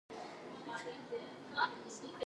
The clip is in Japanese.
ピアノ売ってちょうだい